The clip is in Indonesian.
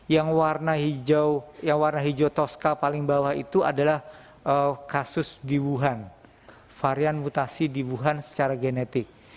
yang warna hijau yang warna hijau toska paling bawah itu adalah kasus dibuhan varian mutasi dibuhan secara genetik